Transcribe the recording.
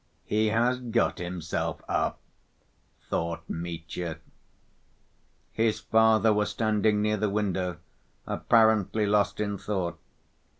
"He has got himself up," thought Mitya. His father was standing near the window, apparently lost in thought.